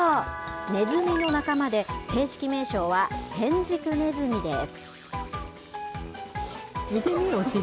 ねずみの仲間で正式名称はテンジクネズミです。